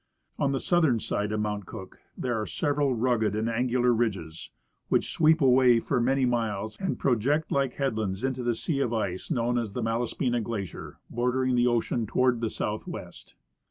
On the southern side of Mount Cook there are several rugged and angular ridges, which sweep away for many miles and project like headlands into the sea of ice, known as the Malaspina glacier, bordering the ocean to ward the southwest.